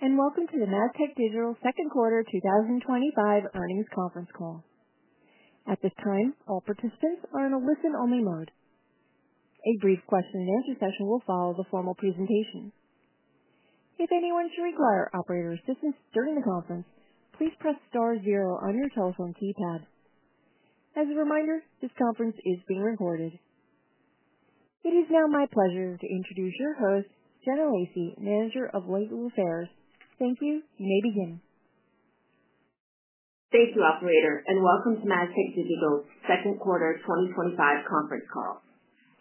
Welcome to the Mastech Digital Second Quarter 2025 Earnings Conference Call. At this time, all participants are in a listen-only mode. A brief question and answer session will follow the formal presentation. If anyone should require operator assistance during the conference, please press star zero on your telephone keypad. As a reminder, this conference is being recorded. It is now my pleasure to introduce your host, Jenna Lacey, Manager of Legal Affairs. Thank you. You may begin. Thank you, operator, and welcome to Mastech Digital's Second Quarter 2025 Conference Call.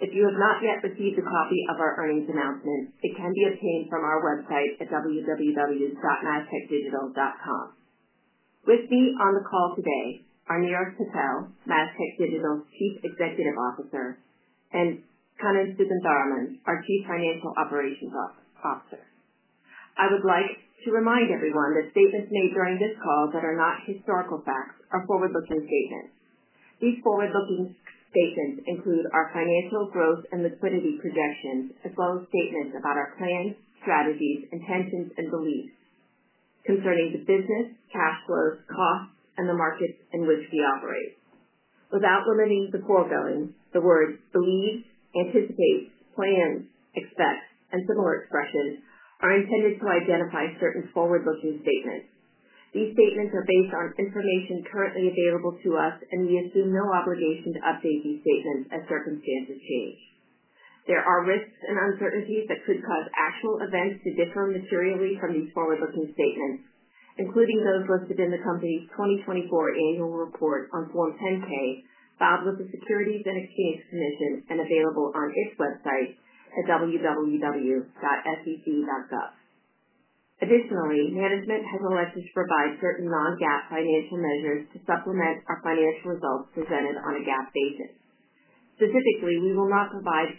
If you have not yet received a copy of our earnings announcement, it can be obtained from our website at www.mastechdigital.com. With me on the call today are Nirav Patel, Mastech Digital's Chief Executive Officer, and Kannan Sugantharaman, our Chief Financial Operations Officer. I would like to remind everyone that statements made during this call that are not historical facts are forward-looking statements. These forward-looking statements include our financial growth and liquidity projections, as well as statements about our plans, strategies, intentions, and beliefs concerning the business, cash flow, costs, and the markets in which we operate. Without limiting the foregoing, the words "believes," "anticipates," "plans," "expects," and similar expressions are intended to identify certain forward-looking statements. These statements are based on information currently available to us, and we assume no obligation to update these statements as circumstances change. There are risks and uncertainties that could cause actual events to differ materially from these forward-looking statements, including those listed in the company's 2024 annual report on Form 10-K, filed with the Securities and Exchange Commission, and available on its website at www.sec.gov. Additionally, management has elected to provide certain non-GAAP financial measures to supplement our financial results presented on a GAAP basis. Specifically, we will provide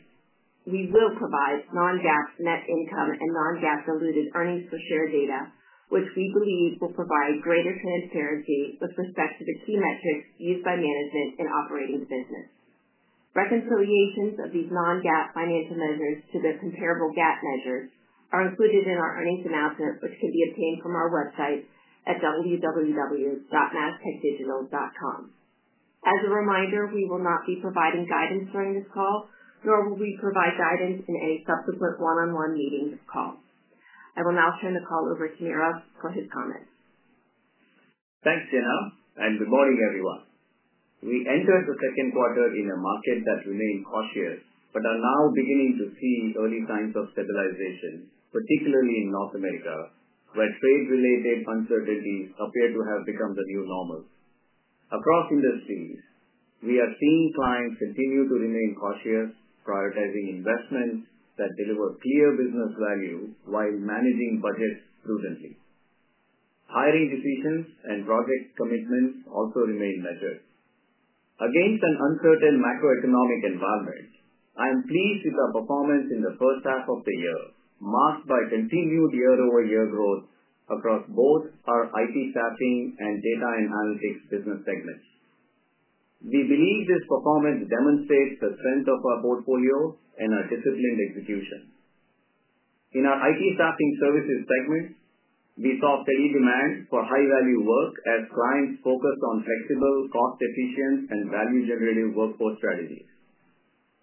non-GAAP net income and non-GAAP diluted earnings per share data, which we believe will provide greater transparency with respect to the key metrics used by management in operating the business. Reconciliations of these non-GAAP financial measures to their comparable GAAP measures are included in our earnings announcement, which can be obtained from our website at www.mastechdigital.com. As a reminder, we will not be providing guidance during this call, nor will we provide guidance in any subsequent one-on-one meeting. I will now turn the call over to Nirav for his comment. Thanks, Jenna, and good morning, everyone. We entered the second quarter in a market that remained cautious, but are now beginning to see early signs of stabilization, particularly in North America, where trade-related uncertainties appear to have become the new normal. Across industries, we are seeing clients continue to remain cautious, prioritizing investments that deliver clear business value while managing budgets prudently. Hiring decisions and project commitments also remain measured. Against an uncertain macroeconomic environment, I am pleased with our performance in the first half of the year, marked by continued year-over-year growth across both our IT Staffing and Data and Analytics business segments. We believe this performance demonstrates the strength of our portfolio and our disciplined execution. In our IT Staffing Services segment, we saw steady demand for high-value work as clients focused on flexible, cost-efficient, and value-generating workforce strategies.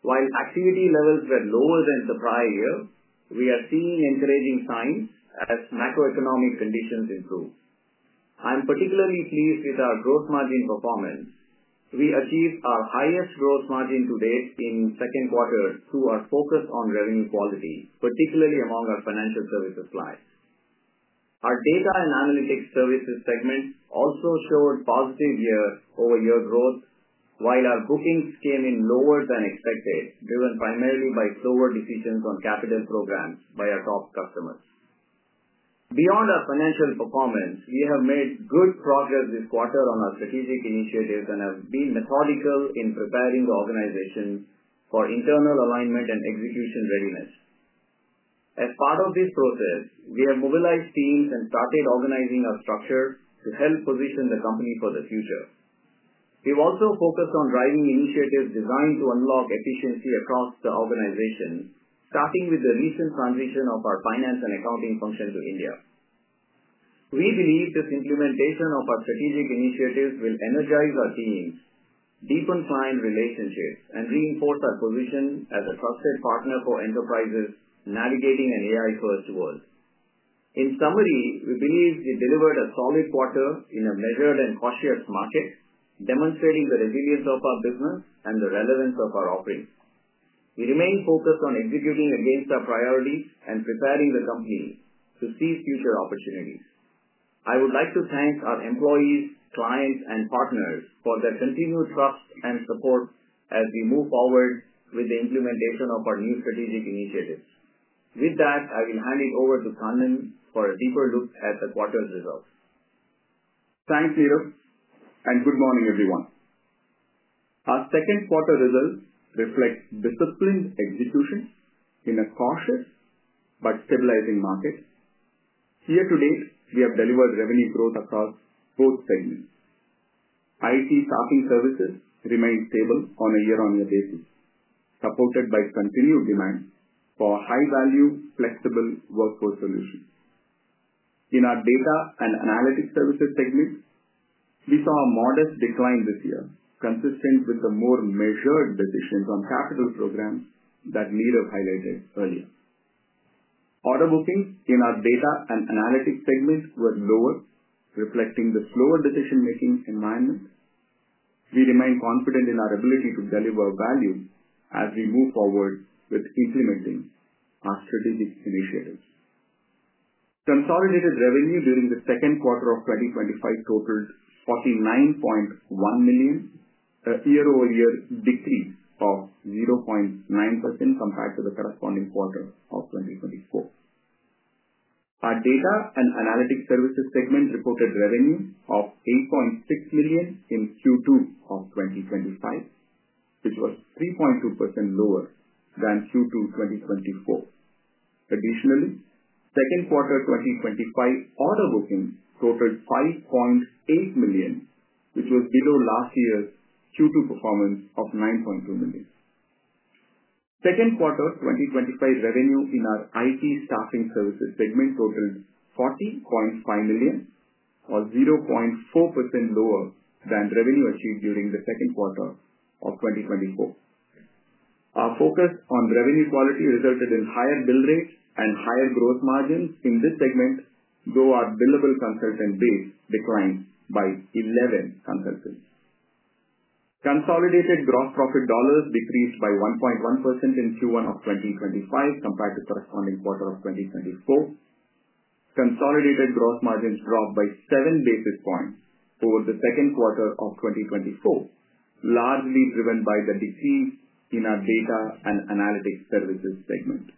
While activity levels were lower than the prior year, we are seeing encouraging signs as macroeconomic conditions improve. I am particularly pleased with our gross margin performance. We achieved our highest gross margin to date in the second quarter through our focus on revenue quality, particularly among our financial services clients. Our Data and Analytics Services segment also showed positive year-over-year growth, while our order bookings came in lower than expected, driven primarily by slower decisions on capital programs by our top customers. Beyond our financial performance, we have made good progress this quarter on our strategic initiatives and have been methodical in preparing the organization for internal alignment and execution readiness. As part of this process, we have mobilized teams and started organizing our structure to help position the company for the future. We've also focused on driving initiatives designed to unlock efficiency across the organization, starting with the recent transition of our finance and accounting function to India. We believe this implementation of our strategic initiatives will energize our teams, deepen client relationships, and reinforce our position as a trusted partner for enterprises navigating an AI-first world. In summary, we believe we delivered a solid quarter in a measured and cautious market, demonstrating the resilience of our business and the relevance of our offerings. We remain focused on executing against our priorities and preparing the company to seize future opportunities. I would like to thank our employees, clients, and partners for their continued trust and support as we move forward with the implementation of our new strategic initiatives. With that, I will hand it over to Kannan for a deeper look at the quarter's results. Thanks, Nirav, and good morning, everyone. Our second quarter results reflect disciplined execution in a cautious but stabilizing market. Year to date, we have delivered revenue growth across both segments. IT Staffing Services remain stable on a year-on-year basis, supported by continued demand for high-value, flexible workforce solutions. In our Data and Analytics Services segment, we saw a modest decline this year, consistent with the more measured decisions on capital programs that Nirav highlighted earlier. Order bookings in our Data and Analytics Services segment were lower, reflecting the slower decision-making environment. We remain confident in our ability to deliver value as we move forward with implementing our strategic initiatives. Consolidated revenue during the second quarter of 2025 totals $49.1 million, a year-over-year decrease of 0.9% compared to the corresponding quarter of 2024. Our Data and Analytics Services segment reported revenue of $8.6 million in Q2 of 2025, which was 3.2% lower than Q2 2024. Additionally, second quarter 2025 order bookings totaled $5.8 million, which was below last year's Q2 performance of $9.2 million. Second quarter 2025 revenue in our IT Staffing Services segment totaled $40.5 million, or 0.4% lower than revenue achieved during the second quarter of 2024. Our focus on revenue quality resulted in higher bill rates and higher gross margins in this segment, though our billable consultant base declined by 11 consultants. Consolidated gross profit dollars decreased by 1.1% in Q2 of 2025 compared to the corresponding quarter of 2024. Consolidated gross margins dropped by seven basis points over the second quarter of 2024, largely driven by the decrease in our Data and Analytics Services segment.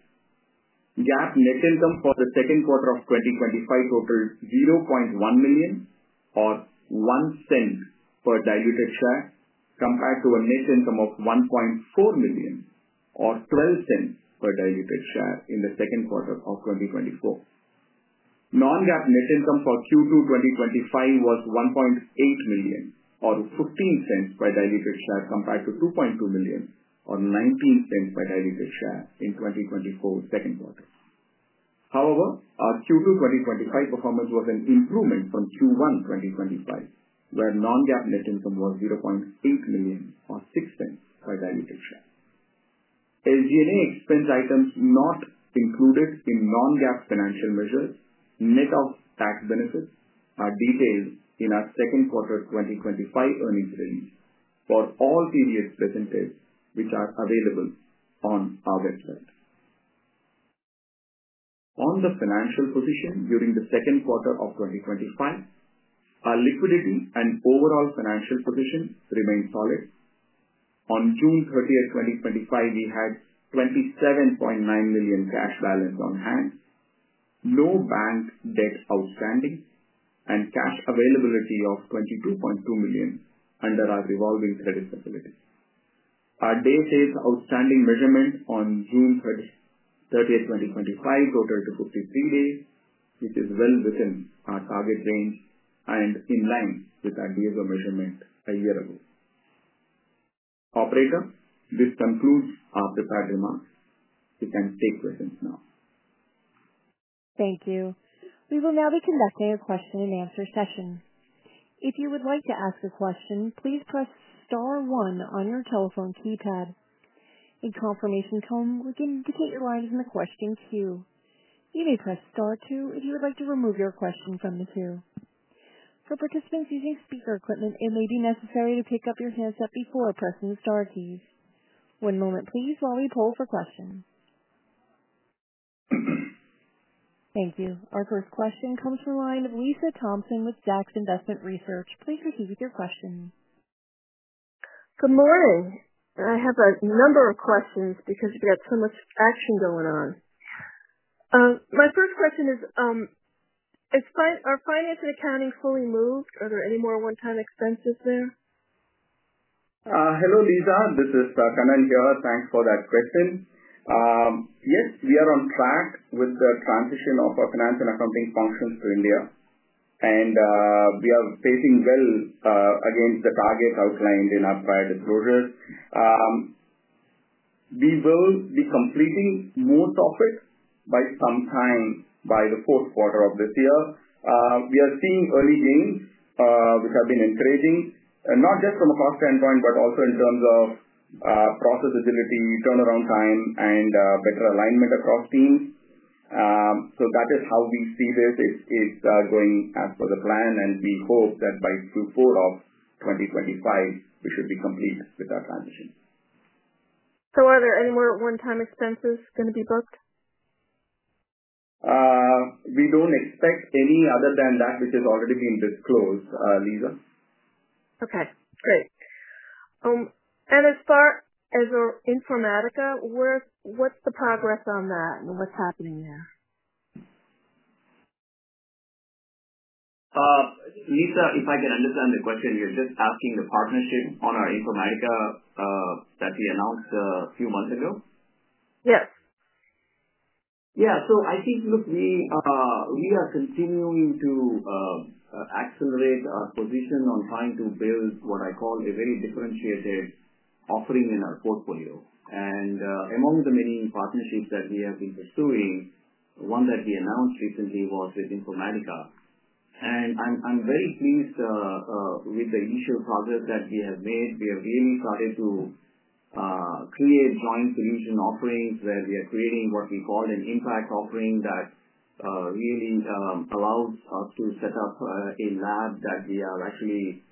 GAAP net income for the second quarter of 2025 totaled $0.1 million, or $0.01 per diluted share, compared to a net income of $1.4 million, or $0.12 per diluted share in the second quarter of 2024. Non-GAAP net income for Q2 2025 was $1.8 million, or $0.15 per diluted share, compared to $2.2 million, or $0.19 per diluted share in 2024 second quarter. However, our Q2 2025 performance was an improvement from Q1 2025, where non-GAAP net income was $0.8 million, or $0.06 per diluted share. SG&A expense items not included in non-GAAP financial measures, net of tax benefits, are detailed in our second quarter 2025 earnings release for all PDFs presented, which are available on our website. On the financial position during the second quarter of 2025, our liquidity and overall financial position remained solid. On June 30th, 2025, we had $27.9 million cash balance on hand, no bank debt outstanding, and cash availability of $22.2 million under our revolving credit facility. Our day sales outstanding measurement on June 30th, 2025 totaled 53 days, which is well within our target range and in line with our day sales measurement a year ago. Operator, this concludes our prepared remarks. We can take questions now. Thank you. We will now be conducting a question and answer session. If you would like to ask a question, please press star one on your telephone keypad. A confirmation tone will indicate your place in the questions queue. You may press star two if you would like to remove your question from the queue. For participants using speaker equipment, it may be necessary to pick up your handset before pressing the star keys. One moment, please, while we poll for questions. Thank you. Our first question comes from the line of Lisa Thompson with Zacks Investment Research. Please proceed with your question. Good morning. I have a number of questions because we got so much action going on. My first question is, is our finance and accounting fully moved? Are there any more one-time expenses there? Hello, Lisa. This is Kannan here. Thanks for that question. Yes, we are on track with the transition of our finance and accounting functions to India, and we are pacing well against the targets outlined in our prior disclosures. We will be completing most of it by sometime by the fourth quarter of this year. We are seeing early gains, which have been encouraging, and not just from a cost standpoint, but also in terms of process agility, turnaround time, and better alignment across teams. That is how we see this is going as per the plan, and we hope that by Q4 of 2025, we should be completed with our transition. Are there any more one-time expenses going to be booked? We don't expect any other than that which has already been disclosed, Lisa. Okay. Great. As far as our Informatica, what's the progress on that and what's happening there? Lisa, if I can understand the question, you're just asking the partnership on our Informatica, that we announced a few months ago? Yes. Yeah. I think, look, we are continuing to accelerate our position on trying to build what I call a very differentiated offering in our portfolio. Among the many partnerships that we have been pursuing, one that we announced recently was with Informatica. I'm very pleased with the initial progress that we have made. We have really started to create joint solution offerings where we are creating what we call an impact offering that really allows us to set up a lab that we are actually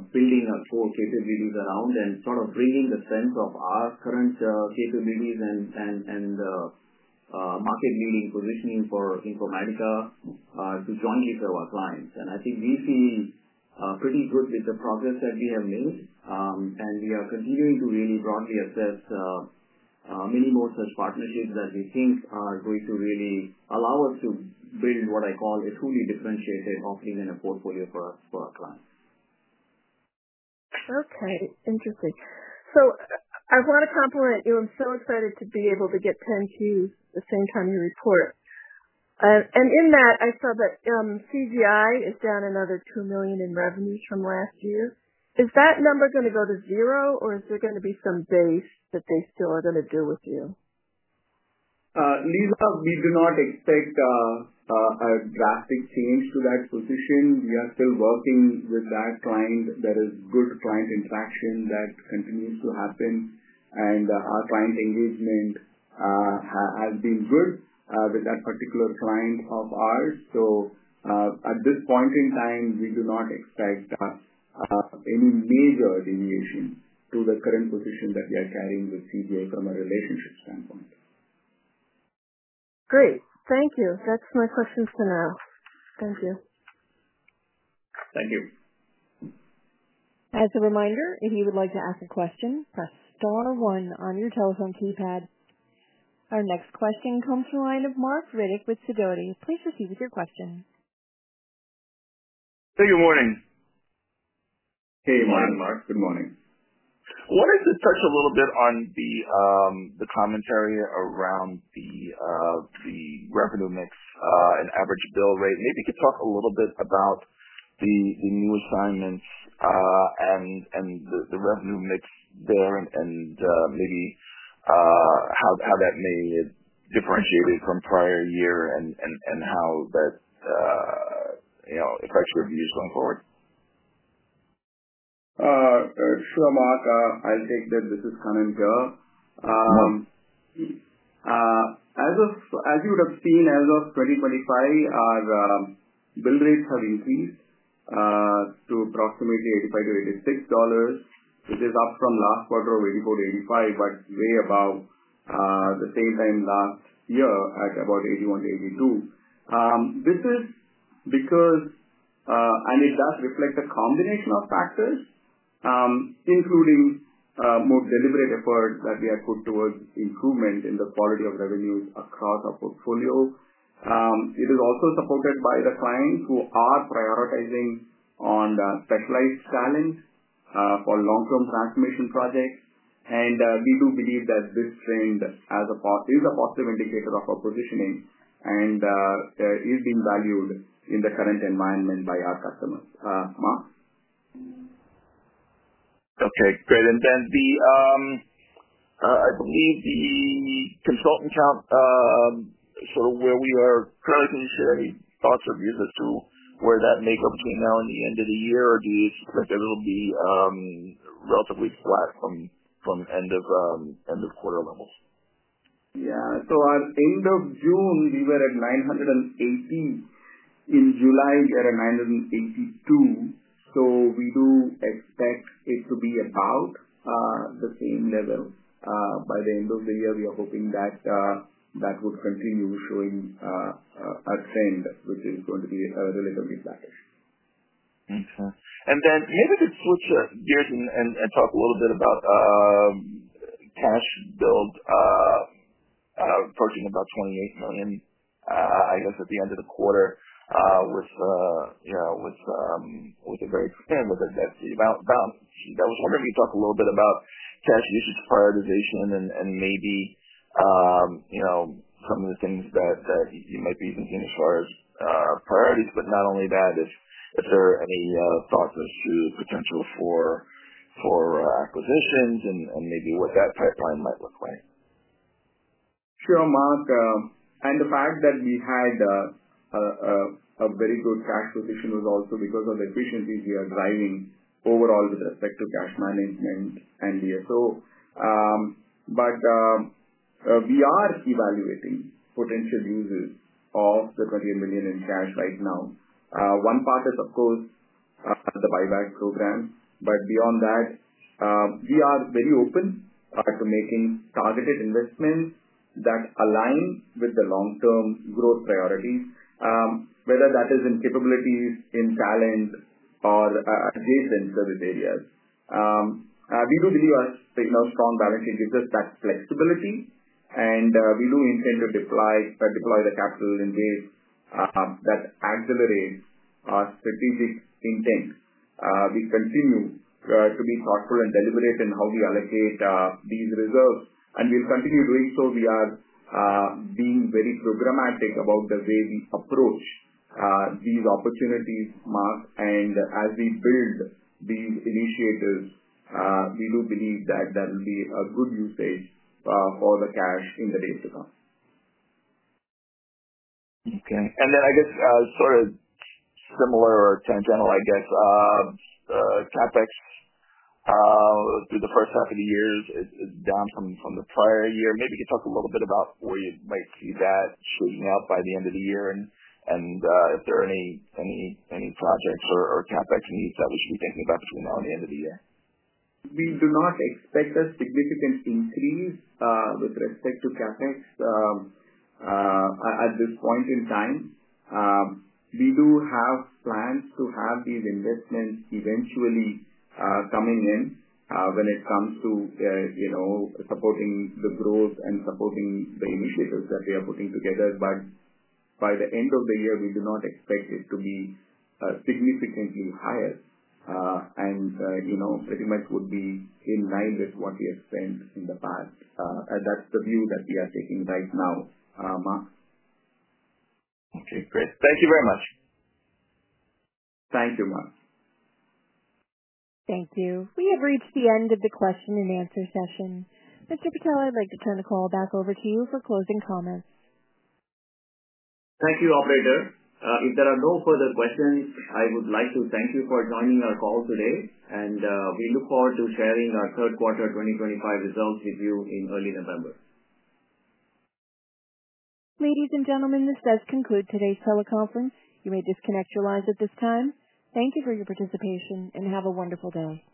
building our core capabilities around and sort of bringing the strength of our current capabilities and market-leading positioning for Informatica to jointly serve our clients. I think we're seeing pretty good with the progress that we have made, and we are continuing to really broadly assess many more such partnerships that we think are going to really allow us to build what I call a truly differentiated offering in a portfolio for us, for our clients. Okay. Interesting. I want to compliment you. I'm so excited to be able to get PNQs at the same time you report. In that, I saw that CGI is down another $2 million in revenues from last year. Is that number going to go to zero, or is there going to be some days that they still are going to do with you? Lisa, we do not expect a drastic change to that position. We are still working with that client. There is good client interaction that continues to happen, and our client engagement has been good with that particular client of ours. At this point in time, we do not expect any major attenuation to the current position that we are carrying with CGI from a relationship standpoint. Great. Thank you. That's my questions for now. Thank you. Thank you. As a reminder, if you would like to ask a question, press star one on your telephone keypad. Our next question comes from a line of Marc Riddick with Sidoti. Please proceed with your question. Hey, good morning. Good morning, Marc. Good morning. I wanted to touch a little bit on the commentary around the revenue mix and average bill rate. Maybe you could talk a little bit about the new assignments and the revenue mix there, and maybe how that may differentiate from prior year and how that impacts your views going forward. Sure, Marc. Thank you. This is Kannan here. As you would have seen, as of 2025, our bill rates have increased to approximately $85-$86. It is up from last quarter of $84-$85, but way above the same time last year at about $81-$82. This is because it does reflect a combination of factors, including more deliberate efforts that we have put towards improvement in the quality of revenues across our portfolio. It is also supported by the clients who are prioritizing on the specialized challenge for long-term transformation projects. We do believe that this trend is a positive indicator of our positioning and is being valued in the current environment by our customers, Marc. Okay. Great. I believe the consultant count, so where we are currently, sharing thoughts or views as to where that makeup is going to now on the end of the year, or do you think it'll be relatively flat from end of quarter levels? At the end of June, we were at 980. In July, we are at 982. We do expect it to be about the same level by the end of the year. We are hoping that would continue showing a trend which is going to be relatively flat. Okay. The other disclosure, you guys talk a little bit about cash billed, approaching about $28 million at the end of the quarter, with a deficit amount down. That was one thing. We talked a little bit about cash usage prioritization and maybe some of the things that you might be even seeing as far as priorities. If there are any thoughts as to potential for acquisitions and maybe what that pipeline might look like. Sure, Marc. The fact that we had a very good SaaS position was also because of the efficiencies we are driving overall with respect to cash management and DSO. We are evaluating potential uses of the $28 million in cash right now. One part is, of course, the buyback program. Beyond that, we are very open to making targeted investments that align with the long-term growth priorities, whether that is in capabilities, in talent, or adjacent service areas. We do believe us to have strong balance sheet users that's flexibility. We do intend to deploy the capital in ways that accelerate our strategic intent. We continue to be thoughtful and deliberate in how we allocate these reserves. We'll continue doing so. We are being very programmatic about the way we approach these opportunities, Marc. As we build these initiatives, we do believe that that will be a good use case for the cash in the days to come. Okay. CapEx through the first half of the year is down from the prior year. Maybe you could talk a little bit about where you might see that swinging up by the end of the year, and if there are any projects or CapEx needs that we should be thinking about swinging out at the end of the year. We do not expect a significant increase with respect to CapEx at this point in time. We do have plans to have these investments eventually coming in when it comes to, you know, supporting the growth and supporting the initiatives that we are putting together. By the end of the year, we do not expect it to be significantly higher, and, you know, pretty much would be in line with what we explained in the past. That's the view that we are taking right now, Marc. Okay, great. Thank you very much. Thank you, Marc. Thank you. We have reached the end of the question and answer session. Mr. Patel, I'd like to turn the call back over to you for closing comments. Thank you, operator. If there are no further questions, I would like to thank you for joining our call today. We look forward to sharing our third quarter 2025 results with you in early November. Ladies and gentlemen, this does conclude today's teleconference. You may disconnect your lines at this time. Thank you for your participation and have a wonderful day.